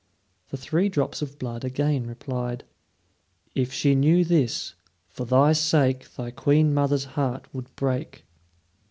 The three drops of blood again replied: "If she knew this, for thy sake Thy queen mother's heart would break."